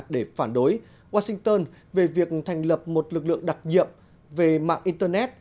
để phản đối washington về việc thành lập một lực lượng đặc nhiệm về mạng internet